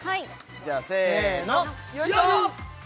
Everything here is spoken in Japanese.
じゃあせーのよいしょ！